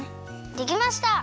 できました！